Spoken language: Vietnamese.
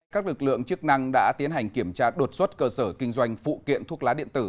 các lực lượng chức năng đã tiến hành kiểm tra đột xuất cơ sở kinh doanh phụ kiện thuốc lá điện tử